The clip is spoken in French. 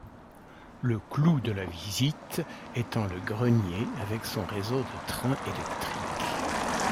Le clou de la visite étant le grenier avec son réseau de trains électriques.